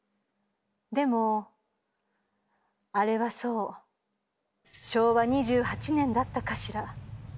でもあれはそう昭和２８年だったかしら。